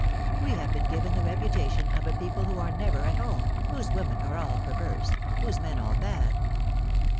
We have been given the reputation of a people who are never at home, whose women are all perverse, whose men all bad.